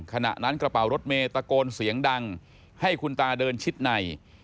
ขณะนั้นกระเป๋ารถเมย์ตะโกนเสียงดังให้คุณตาเดินชิดใน